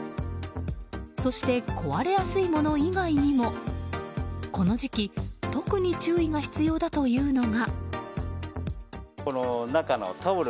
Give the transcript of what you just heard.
そして壊れやすいもの以外にもこの時期特に注意が必要だというのが。